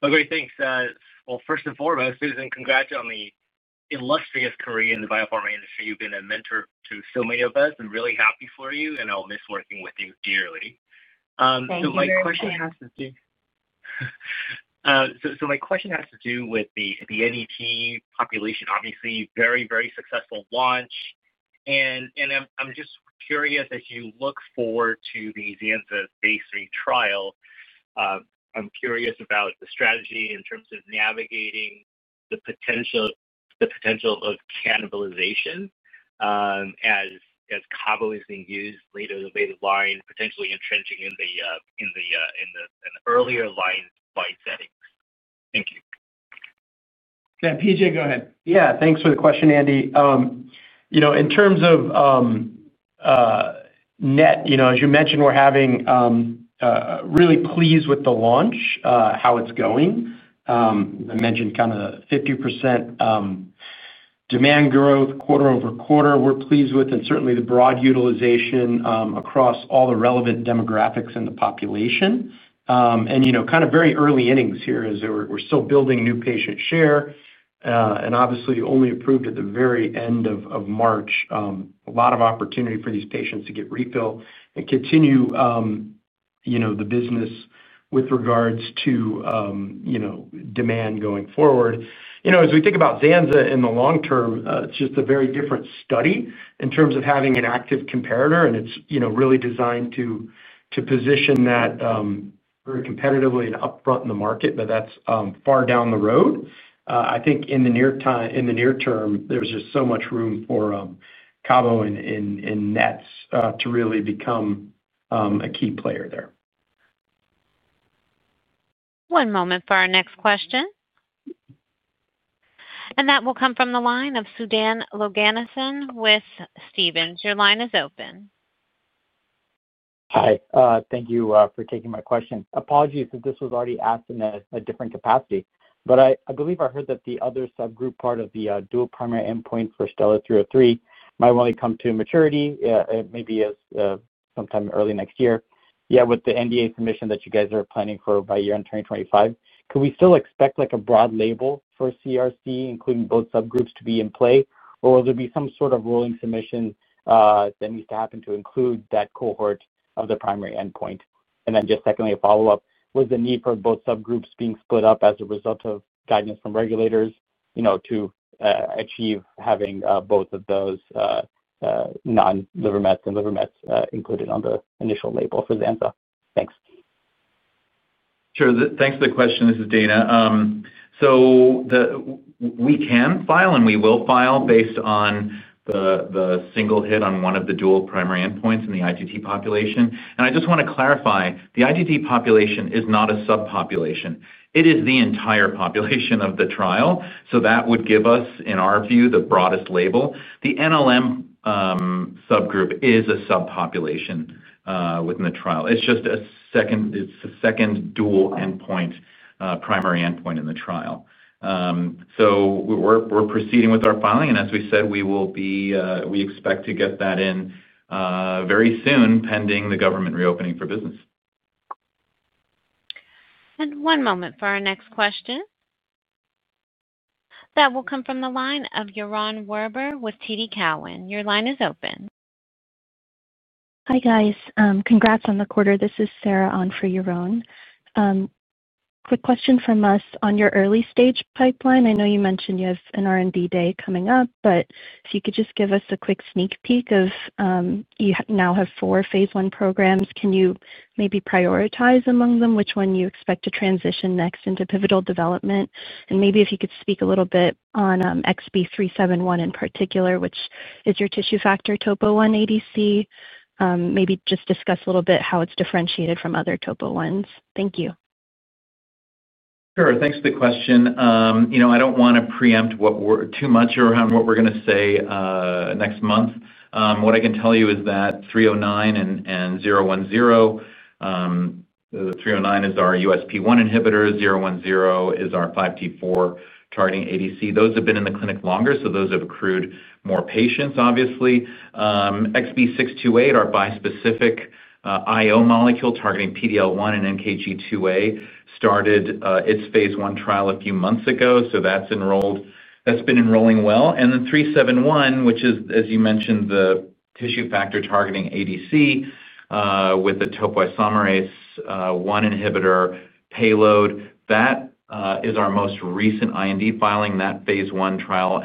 Well, great. Thanks. Well, first and foremost, Susan, congrats on the illustrious career in the biopharma industry. You've been a mentor to so many of us. I'm really happy for you, and I'll miss working with you dearly. Thank you. So my question has to do with the NET population, obviously, very, very successful launch. And I'm just curious, as you look forward to the Zanza phase III trial. I'm curious about the strategy in terms of navigating the potential of cannibalization. As Cabozantinib being used later in the second line, potentially entrenching in the earlier line settings. Thank you. Yeah. PJ, go ahead. Yeah. Thanks for the question, Andy. In terms of NET, as you mentioned, we're really pleased with the launch, how it's going. I mentioned kind of 50% demand growth quarter-over-quarter. We're pleased with, and certainly the broad utilization across all the relevant demographics in the population. And kind of very early innings here, as we're still building new patient share. And obviously, only approved at the very end of March, a lot of opportunity for these patients to get refill and continue the business with regards to demand going forward. As we think about Zanza in the long term, it's just a very different study in terms of having an active comparator, and it's really designed to position that very competitively and upfront in the market, but that's far down the road. I think in the near term, there's just so much room for Cabo and NETs to really become a key player there. One moment for our next question. And that will come from the line of Sudan Loganison. With Stephens, your line is open. Hi. Thank you for taking my question. Apologies if this was already asked in a different capacity, but I believe I heard that the other subgroup part of the dual primary endpoint for STELLAR-303 might only come to maturity, maybe sometime early next year. Yeah, with the NDA submission that you guys are planning for by year-end 2025, could we still expect a broad label for CRC, including both subgroups, to be in play? Or will there be some sort of rolling submission that needs to happen to include that cohort of the primary endpoint? And then just secondly, a follow-up: was the need for both subgroups being split up as a result of guidance from regulators to achieve having both of those non-liver mets and liver mets included on the initial label for Zanza? Thanks. Sure. Thanks for the question. This is Dana. So, we can file, and we will file based on the single hit on one of the dual primary endpoints in the ITT population. And I just want to clarify, the ITT population is not a subpopulation. It is the entire population of the trial. So that would give us, in our view, the broadest label. The NLM subgroup is a subpopulation within the trial. It's just a second dual primary endpoint in the trial. So we're proceeding with our filing. And as we said, we expect to get that in very soon, pending the government reopening for business. One moment for our next question. That will come from the line of Yaron Werber with TD Cowen. Your line is open. Hi guys. Congrats on the quarter. This is Sarah on for Yaron. Quick question from us on your early-stage pipeline. I know you mentioned you have an R&D day coming up, but if you could just give us a quick sneak peek of. You now have four phase I programs. Can you maybe prioritize among them? Which one do you expect to transition next into pivotal development? And maybe if you could speak a little bit on XB371 in particular, which is your tissue factor topo I ADC, maybe just discuss a little bit how it's differentiated from other topo Is. Thank you. Sure. Thanks for the question. I don't want to preempt too much around what we're going to say next month. What I can tell you is that 309 and 010. 309 is our USP1 inhibitor. 010 is our 5T4 targeting ADC. Those have been in the clinic longer, so those have accrued more patients, obviously. XB628, our bispecific IO molecule targeting PD-L1 and NKG2A, started its phase I trial a few months ago. So that's been enrolling well. And then 371, which is, as you mentioned, the tissue factor targeting ADC with a topoisomerase I inhibitor payload. That is our most recent IND filing. That phase I trial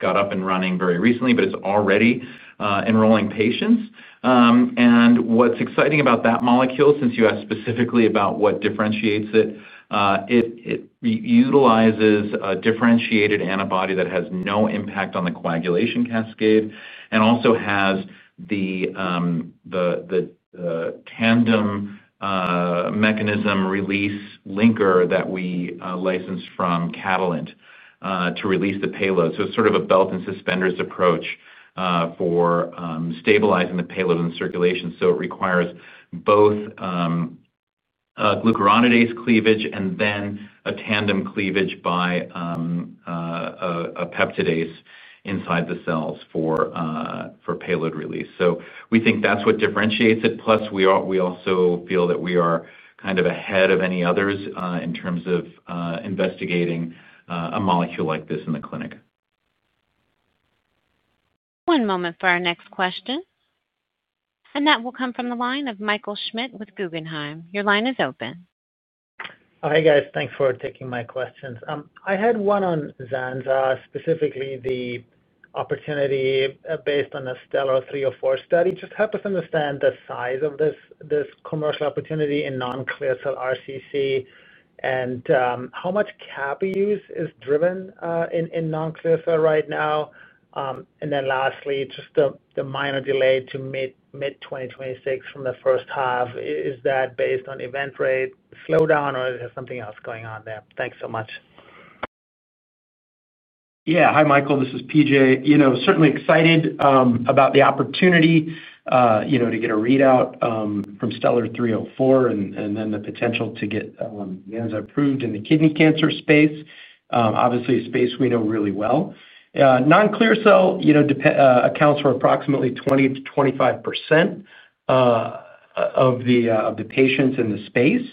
got up and running very recently, but it's already enrolling patients. And what's exciting about that molecule, since you asked specifically about what differentiates it. It utilizes a differentiated antibody that has no impact on the coagulation cascade and also has the tandem mechanism release linker that we licensed from Catalent to release the payload. So it's sort of a belt and suspenders approach for stabilizing the payload in the circulation. So it requires both glucuronidase cleavage and then a tandem cleavage by a peptidase inside the cells for payload release. So we think that's what differentiates it. Plus, we also feel that we are kind of ahead of any others in terms of investigating a molecule like this in the clinic. One moment for our next question, and that will come from the line of Michael Schmidt with Guggenheim. Your line is open. Hi guys. Thanks for taking my questions. I had one on Zanza, specifically the opportunity based on a STELLAR-304 study. Just help us understand the size of this commercial opportunity in non-clear cell RCC and how much Cabo use is driven in non-clear cell right now. And then lastly, just the minor delay to mid-2026 from the first half. Is that based on event rate slowdown, or is there something else going on there? Thanks so much. Yeah. Hi, Michael. This is PJ. Certainly excited about the opportunity to get a readout from Stellar-304 and then the potential to get Zanza approved in the kidney cancer space, obviously a space we know really well. Non-clear cell accounts for approximately 20%-25% of the patients in the space.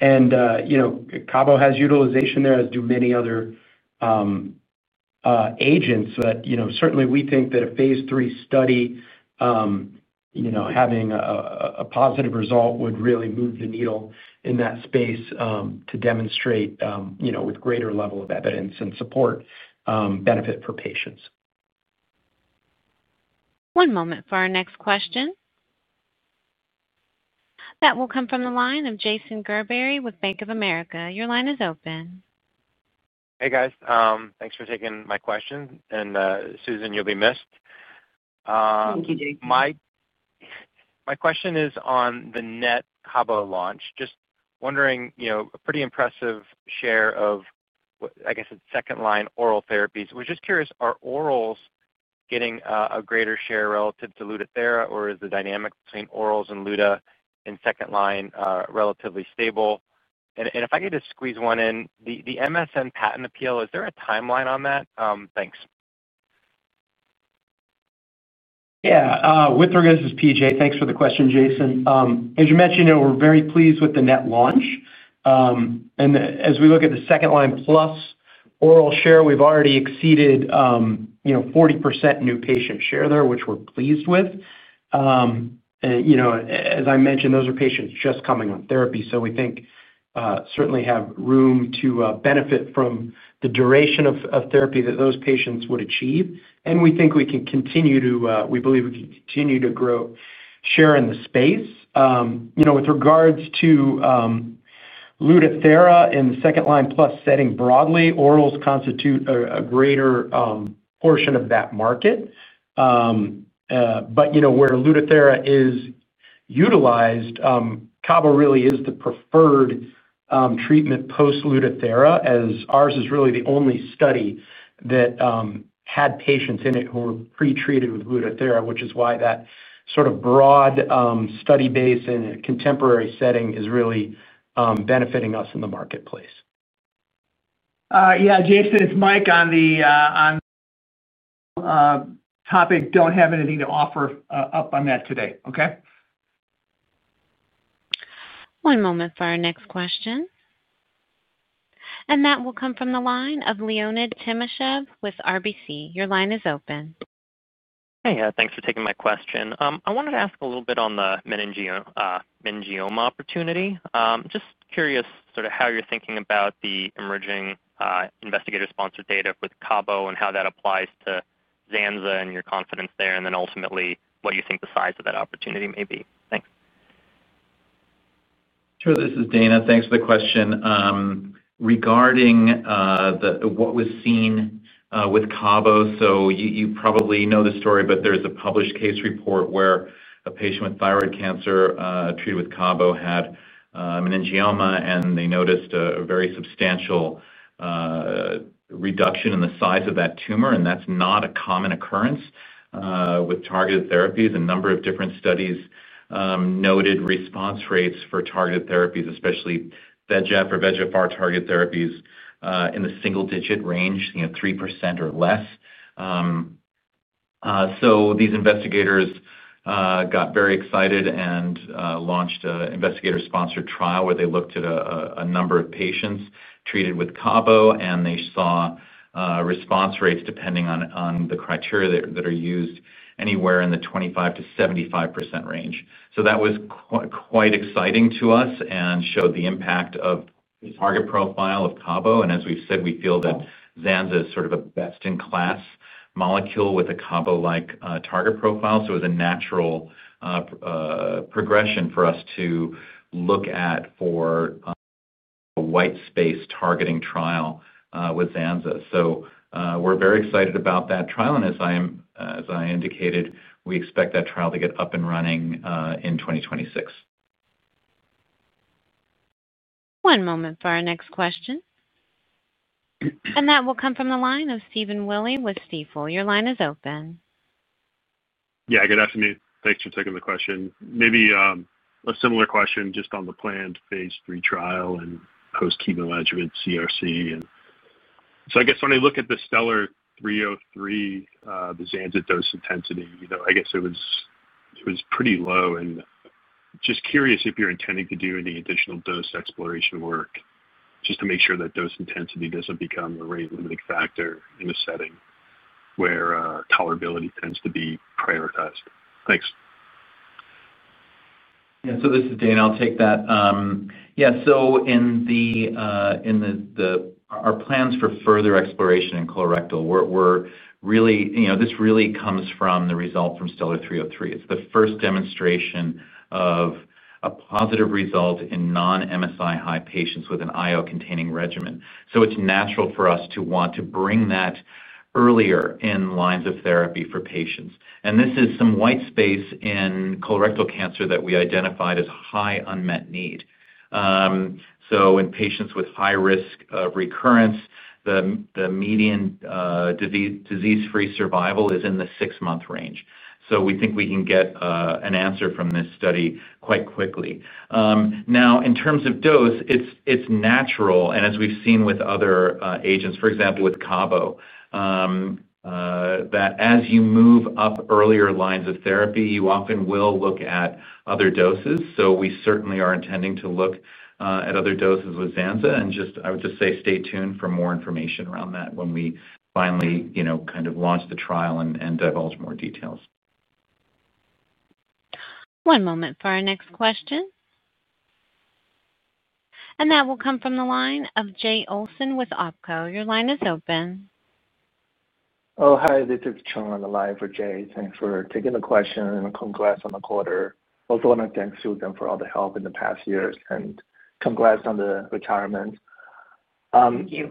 And Cabozantinib has utilization there, as do many other agents. But certainly, we think that a phase III study having a positive result would really move the needle in that space to demonstrate with greater level of evidence and support benefit for patients. One moment for our next question. That will come from the line of Jason Gerberry with Bank of America. Your line is open. Hey guys. Thanks for taking my question. And Susan, you'll be missed. Thank you, Jason. My question is on the NET Cabo launch. Just wondering, a pretty impressive share of, I guess, second-line oral therapies. We're just curious, are orals getting a greater share relative to Lutathera, or is the dynamic between orals and Lutha in second line relatively stable? And if I get to squeeze one in, the MSI-H patent appeal, is there a timeline on that? Thanks. Yeah. With regards to PJ, thanks for the question, Jason. As you mentioned, we're very pleased with the NET launch. And as we look at the second line plus oral share, we've already exceeded 40% new patient share there, which we're pleased with. As I mentioned, those are patients just coming on therapy, so we think certainly have room to benefit from the duration of therapy that those patients would achieve. And we think we can continue to, we believe we can continue to grow share in the space. With regards to Lutathera in the second line plus setting broadly, orals constitute a greater portion of that market. But where Lutathera is utilized, Cabo really is the preferred treatment post Lutathera, as ours is really the only study that had patients in it who were pre-treated with Lutathera, which is why that sort of broad study base in a contemporary setting is really benefiting us in the marketplace. Yeah. Jason, it's Mike on the topic. Don't have anything to offer up on that today. Okay? One moment for our next question. That will come from the line of Leonid Timashev with RBC. Your line is open. Hey. Thanks for taking my question. I wanted to ask a little bit on the meningioma opportunity. Just curious sort of how you're thinking about the emerging investigator-sponsored data with Cabo and how that applies to Zanza and your confidence there, and then ultimately what you think the size of that opportunity may be? Thanks. Sure. This is Dana. Thanks for the question. Regarding what was seen with Cabo, so you probably know the story, but there's a published case report where a patient with thyroid cancer treated with Cabo had meningioma, and they noticed a very substantial reduction in the size of that tumor. And that's not a common occurrence with targeted therapies. A number of different studies noted response rates for targeted therapies, especially VEGF or VEGFR targeted therapies, in the single-digit range, 3% or less. So these investigators got very excited and launched an investigator-sponsored trial where they looked at a number of patients treated with Cabo, and they saw response rates depending on the criteria that are used anywhere in the 25%-75% range. So that was quite exciting to us and showed the impact of the target profile of Cabo. And as we've said, we feel that Zanza is sort of a best-in-class molecule with a Cabo-like target profile. So it was a natural progression for us to look at a white space targeting trial with Zanza. So we're very excited about that trial. And as I indicated, we expect that trial to get up and running in 2026. One moment for our next question. That will come from the line of Stephen Willey with Stifel. Your line is open. Yeah. Good afternoon. Thanks for taking the question. Maybe a similar question just on the planned phase III trial and post-chemo adjuvant CRC. So I guess when I look at the STELLAR-303, the Zanza dose intensity, I guess it was pretty low. And just curious if you're intending to do any additional dose exploration work just to make sure that dose intensity doesn't become a rate-limiting factor in a setting where tolerability tends to be prioritized. Thanks. Yeah. So this is Dana. I'll take that. Yeah. So in our plans for further exploration in colorectal, this really comes from the result from STELLAR-303. It's the first demonstration of a positive result in non-MSI-H patients with an IO-containing regimen. So it's natural for us to want to bring that earlier in lines of therapy for patients. And this is some white space in colorectal cancer that we identified as high unmet need. So in patients with high risk of recurrence, the median disease-free survival is in the six-month range. So we think we can get an answer from this study quite quickly. Now, in terms of dose, it's natural. And as we've seen with other agents, for example, with Cabo. That as you move up earlier lines of therapy, you often will look at other doses. So we certainly are intending to look at other doses with Zanza. And I would just say stay tuned for more information around that when we finally kind of launch the trial and divulge more details. One moment for our next question. That will come from the line of Jay Olson with OPCO. Your line is open. Oh, hi. This is Sean on the line for Jay. Thanks for taking the question. And congrats on the quarter. Also, want to thank Susan for all the help in the past years and congrats on the retirement.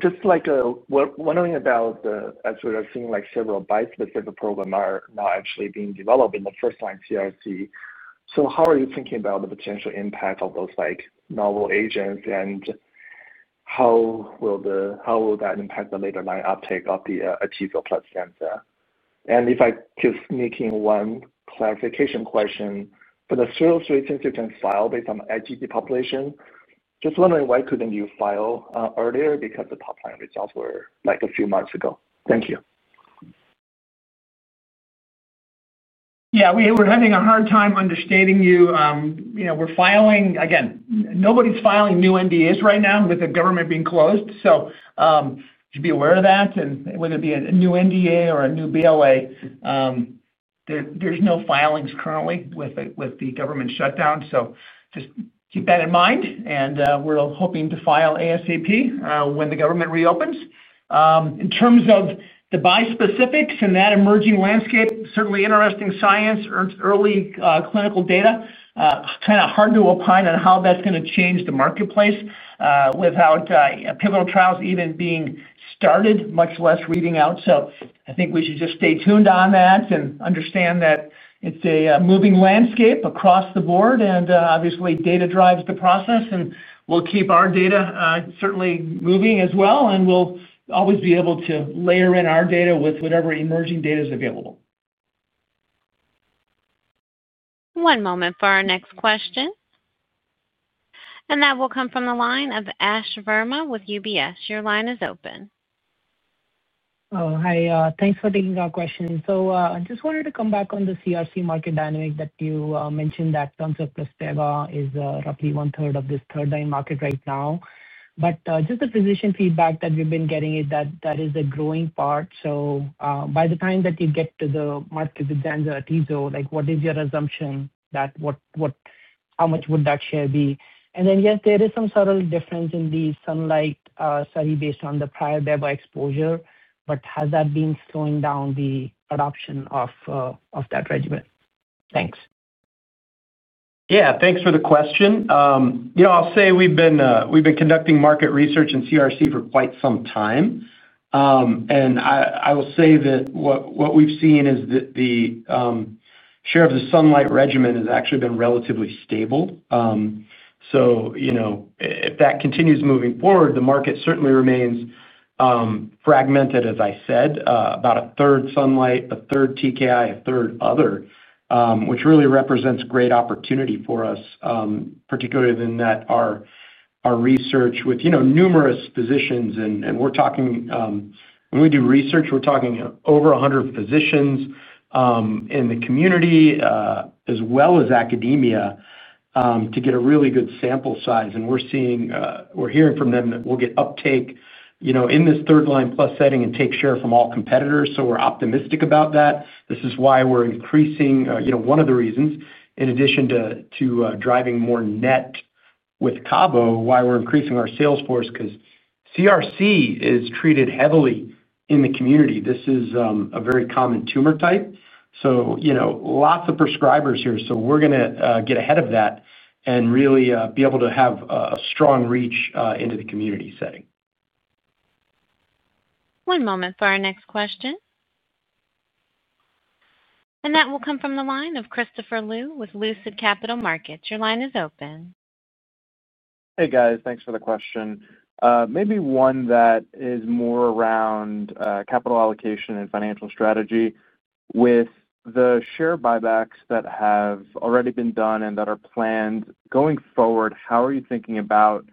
Just wondering about. As we're seeing several bispecific programs are now actually being developed in the first-line CRC. So how are you thinking about the potential impact of those novel agents and. How will that impact the later-line uptake of the Atezolizumab plus Zanza? And if I could sneak in one clarification question, for the STELLAR-303, since you can file based on the ITT population, just wondering why couldn't you file earlier because the top-line results were a few months ago? Thank you. Yeah. We were having a hard time understanding you. We're filing again, nobody's filing new NDAs right now with the government being closed. So. To be aware of that. And whether it be a new NDA or a new BLA. There's no filings currently with the government shutdown. So just keep that in mind. And we're hoping to file ASAP when the government reopens. In terms of the bispecifics in that emerging landscape, certainly interesting science, early clinical data, kind of hard to opine on how that's going to change the marketplace without pivotal trials even being started, much less reading out. So I think we should just stay tuned on that and understand that it's a moving landscape across the board. And obviously, data drives the process. And we'll keep our data certainly moving as well. And we'll always be able to layer in our data with whatever emerging data is available. One moment for our next question, and that will come from the line of Ash Verma with UBS. Your line is open. Oh, hi. Thanks for taking our question. So I just wanted to come back on the CRC market dynamic that you mentioned that TAS plus beva is roughly one-third of this third-line market right now. But just the physician feedback that we've been getting is that that is a growing part. So by the time that you get to the market with Zanza or atezo, what is your assumption that how much would that share be? And then, yes, there is some subtle difference in the SUNLIGHT study based on the prior beva exposure, but has that been slowing down the adoption of that regimen? Thanks. Yeah. Thanks for the question. I'll say we've been conducting market research in CRC for quite some time. And I will say that what we've seen is that the share of the SUNLIGHT regimen has actually been relatively stable. So if that continues moving forward, the market certainly remains fragmented, as I said, about a third SUNLIGHT, a third TKI, a third other, which really represents great opportunity for us. Particularly in that our research with numerous physicians and we're talking. When we do research, we're talking over 100 physicians in the community as well as academia to get a really good sample size. And we're hearing from them that we'll get uptake in this third-line plus setting and take share from all competitors. So we're optimistic about that. This is why we're increasing one of the reasons, in addition to driving more net with Cabo, why we're increasing our sales force, because CRC is treated heavily in the community. This is a very common tumor type. So lots of prescribers here. So we're going to get ahead of that and really be able to have a strong reach into the community setting. One moment for our next question. And that will come from the line of Christopher Lu with Lucid Capital Markets. Your line is open. Hey, guys. Thanks for the question. Maybe one that is more around capital allocation and financial strategy. With the share buybacks that have already been done and that are planned going forward, how are you thinking about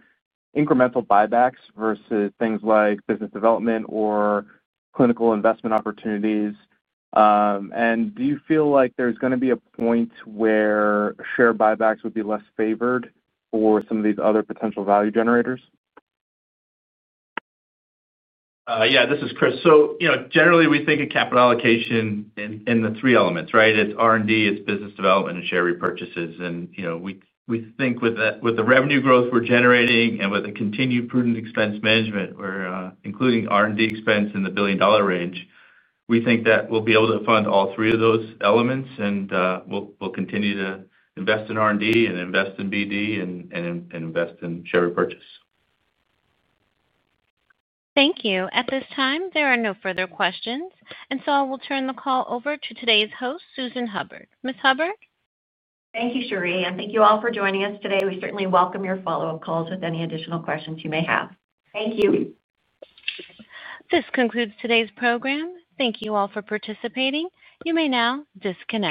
incremental buybacks versus things like business development or clinical investment opportunities? And do you feel like there's going to be a point where share buybacks would be less favored for some of these other potential value generators? Yeah. This is Chris. So generally, we think of capital allocation in the three elements, right? It's R&D, it's business development, and share repurchases. We think with the revenue growth we're generating and with the continued prudent expense management, including R&D expense in the billion-dollar range, we think that we'll be able to fund all three of those elements, and we'll continue to invest in R&D and invest in BD and invest in share repurchase. Thank you. At this time, there are no further questions. And so I will turn the call over to today's host, Susan Hubbard. Ms. Hubbard? Thank you, Cheri. And thank you all for joining us today. We certainly welcome your follow-up calls with any additional questions you may have. Thank you. This concludes today's program. Thank you all for participating. You may now disconnect.